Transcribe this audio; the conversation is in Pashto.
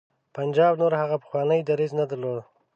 پنجاب نور هغه پخوانی دریځ نه درلود.